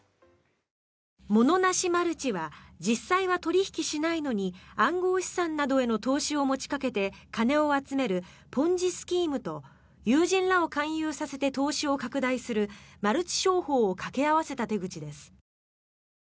モノなしマルチは実際は取引しないのに暗号資産などへの投資を持ちかけて金を集めるポンジ・スキームと友人らを勧誘させて投資を拡大するマルチ商法を掛け合わせた手口です。